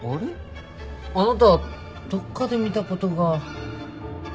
あなたどっかで見たことが。